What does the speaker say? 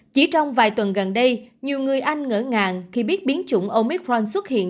chỉ trong vài tuần gần đây nhiều người anh ngỡ ngàng khi biết biến chủng omicron xuất hiện